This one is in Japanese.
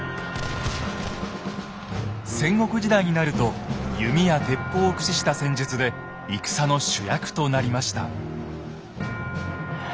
戦国時代になると弓や鉄砲を駆使した戦術で戦の主役となりました。